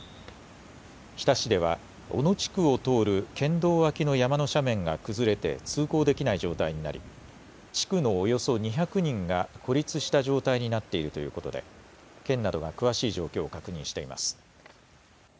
日田市では、小野地区を通る県道脇の山の斜面が崩れて通行できない状態になり、地区のおよそ２００人が孤立した状態になっているということで、県などが詳しい状況を確認しています。